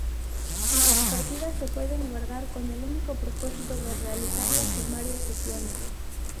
Las partidas se pueden guardar, con el único propósito de realizarlas en varias sesiones.